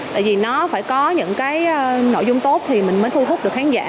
tại vì nó phải có những cái nội dung tốt thì mình mới thu hút được khán giả